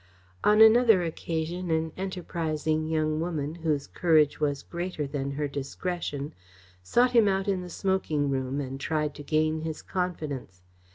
On another occasion an enterprising young woman, whose courage was greater than her discretion, sought him out in the smoking room and tried to gain his confidence.